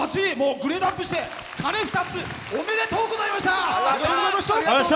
グレードアップして鐘２つおめでとうございました。